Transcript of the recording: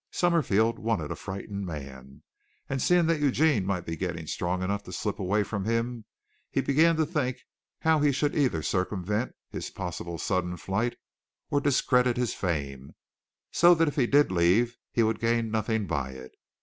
Summerfield wanted a frightened man, and seeing that Eugene might be getting strong enough to slip away from him, he began to think how he should either circumvent his possible sudden flight, or discredit his fame, so that if he did leave he would gain nothing by it.